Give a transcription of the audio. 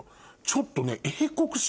ちょっとね。